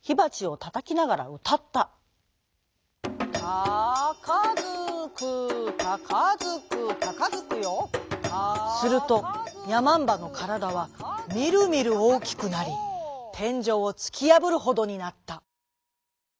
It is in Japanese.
「タカヅクタカヅクタカヅクヨ」するとやまんばのからだはみるみるおおきくなりてんじょうをつきやぶるほどになった。